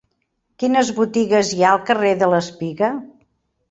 Quines botigues hi ha al carrer de l'Espiga?